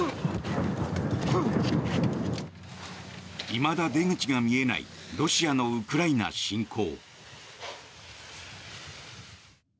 いまだ出口が見えないロシアのウクライナ侵攻。